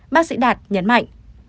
bác sĩ đạt nhấn mạnh